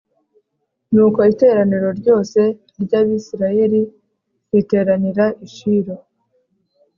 Nuko iteraniro ryose ry Abisirayeli riteranira i Shilo